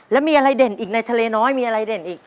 แล้วมีอะไรเด่นอีกในทะเลน้อยมีอะไรเด่นอีก